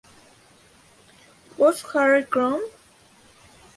Who's Harry Crumb?